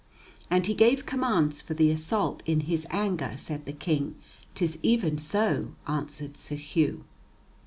"And he gave commands for the assault in his anger?" said the King. "'Tis even so," answered Sir Hugh.